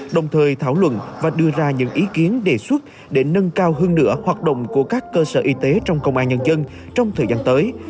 đồng thời thảo luận và đưa ra những ý kiến đề xuất để nâng cao hơn nữa hoạt động của các cơ sở y tế trong công an nhân dân trong thời gian tới